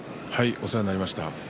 お世話になりました。